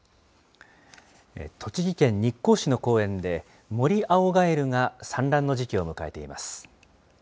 栃木県日光市の公園で、モリアオガエルが産卵の時期を迎えています。